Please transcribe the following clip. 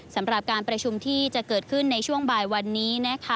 สำหรับการประชุมที่จะเกิดขึ้นในช่วงบ่ายวันนี้นะคะ